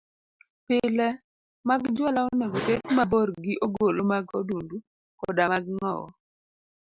Pile mag juala onego oket mabor gi ogolo mag odundu koda mag ng'owo.